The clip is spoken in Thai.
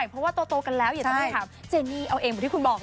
ก็หน้าเกงเหมือนกัน